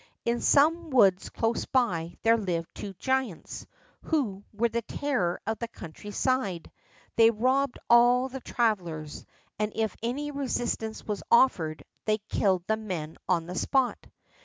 In some woods close by there lived two giants, who were the terror of the country side; they robbed all the travelers, and if any resistance was offered they killed the men on the spot.